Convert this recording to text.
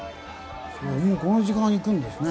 もうこの時間に行くんですね。